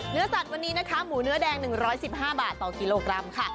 เนื้อสัตว์วันนี้นะคะหมูเนื้อแดง๑๑๕บาทต่อกิโลกรัมค่ะ